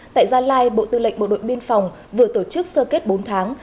tại gia lai bộ tư lệnh bộ đội biên phòng vừa tổ chức sơ kết bốn tháng